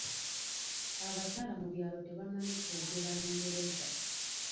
Abakyala mu byalo tebamanyi kwogera Lungereza.